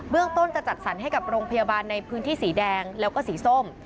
เรื่องต้นจะจัดสรรให้กับโรงพยาบาลในพื้นที่สีแดงแล้วก็สีส้ม